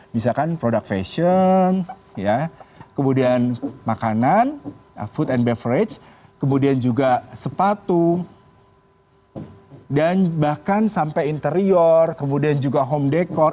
misalkan produk fashion kemudian makanan food and beverage kemudian juga sepatu dan bahkan sampai interior kemudian juga home decor